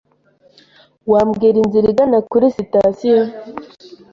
Wambwira inzira igana kuri sitasiyo?